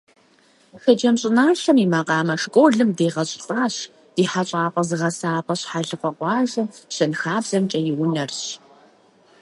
Шэджэм щӀыналъэм и макъамэ школым дегъэщӀылӀащ, ди хэщӀапӀэ-зыгъэсапӀэр Щхьэлыкъуэ къуажэм ЩэнхабзэмкӀэ и унэрщ.